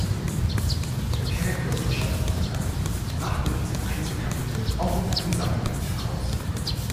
Der Kadokawa-Shoten-Verlag brachte diese Einzelkapitel auch in einem Sammelband heraus.